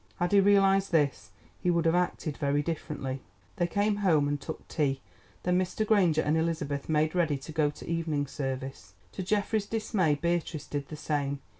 Had he realised this he would have acted very differently. They came home and took tea, then Mr. Granger and Elizabeth made ready to go to evening service. To Geoffrey's dismay Beatrice did the same.